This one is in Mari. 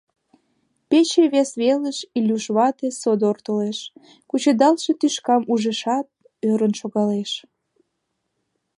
Пече вес велым Илюш вате содор толеш, кучедалше тӱшкам ужешат, ӧрын шогалеш.